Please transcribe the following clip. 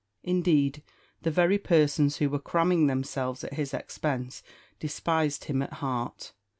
Indeed, the very persons who were cramming themselves at his expense despised him at heart.